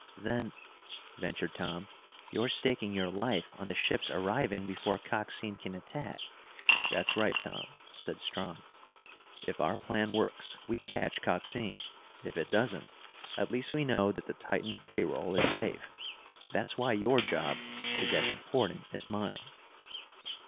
"Then," ventured Tom, "you're staking your life on the ships arriving before Coxine can attack." "That's right, Tom," said Strong. "If our plan works, we catch Coxine. If it doesn't, at least we know that the Titan pay roll is safe. That's why your job is as important as mine."